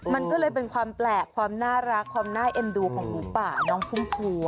มันก็เลยเป็นความแปลกความน่ารักความน่าเอ็นดูของหมูป่าน้องพุ่มพวง